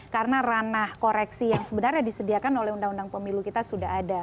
karena ranah koreksi yang sebenarnya disediakan oleh undang undang pemilu kita sudah ada